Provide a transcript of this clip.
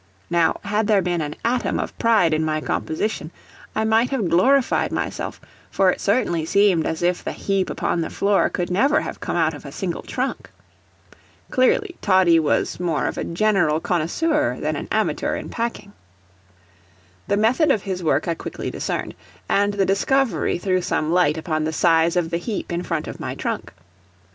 Now, had there been an atom of pride in my composition I might have glorified myself, for it certainly seemed as if the heap upon the floor could never have come out of a single trunk. Clearly, Toddie was more of a general connoisseur than an amateur in packing. The method of his work I quickly discerned, and the discovery threw some light upon the size of the heap in front of my trunk.